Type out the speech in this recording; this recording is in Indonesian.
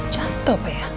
jatuh bu ya